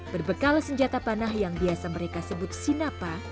berbekal senjata panah yang biasa mereka sebut sinapa